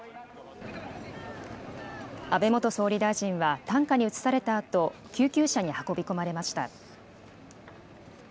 安倍元総理大臣は担架に移されたあと、救急車に運び込まれました。